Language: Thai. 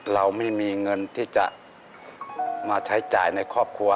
เราไม่มีเงินที่จะมาใช้จ่ายในครอบครัว